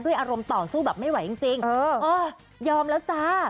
อารมณ์ต่อสู้แบบไม่ไหวจริงเออยอมแล้วจ้า